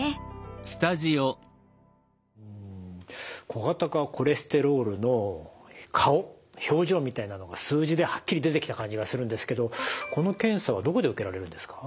小型化コレステロールの顔表情みたいなのが数字ではっきり出てきた感じがするんですけどこの検査はどこで受けられるんですか？